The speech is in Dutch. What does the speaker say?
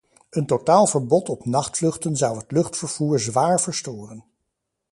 Een totaal verbod op nachtvluchten zou het luchtvervoer zwaar verstoren.